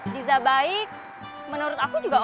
diza baik menurut aku juga oke